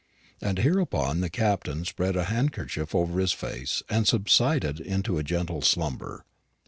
And hereupon the Captain spread a handkerchief over his face and subsided into a gentle slumber.